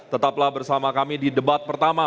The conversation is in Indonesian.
tetaplah bersama kami di debat pertama